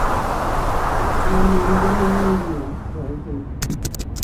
Nà mɛ̀ndɛ́ wúǔɲá wârzɛ̂.